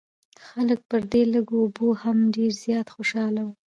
خلک پر دې لږو اوبو هم ډېر زیات خوشاله وو.